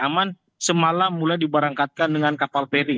aman semalam mulai diberangkatkan dengan kapal peri